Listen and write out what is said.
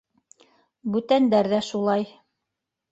Бүтәндәр ҙә шулай.